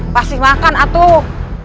pasti makan atuh